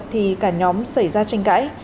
thì cả nhóm xảy ra tranh cãi